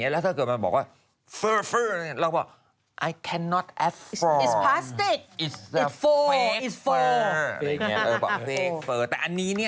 โหไม่เป็นไรไม่มี